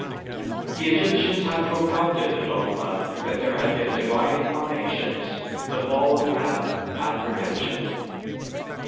The Egyptians had propounded the dogma that there had been divine incarnations, the fall of man, and redemption.